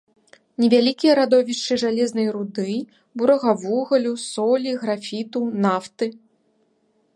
Невялікія радовішчы жалезнай руды, бурага вугалю, солі, графіту, нафты.